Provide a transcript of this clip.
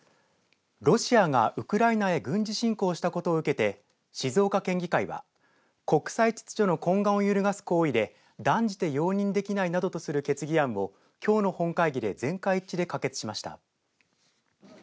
ロシアがウクライナへ軍事侵攻したことを受けて静岡県議会は国際秩序の今後を揺らす行為で断じて容認できないなどとする決議案を、きょうの本会議で全会一致で可決しました。